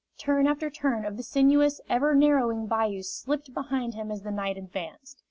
Turn after turn of the sinuous, ever narrowing bayou slipped behind him as the night advanced.